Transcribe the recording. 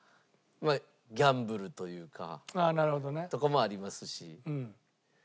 まあ「ギャンブル」というかとかもありますし。